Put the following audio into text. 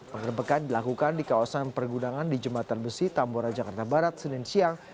pengerebekan dilakukan di kawasan pergudangan di jembatan besi tambora jakarta barat senin siang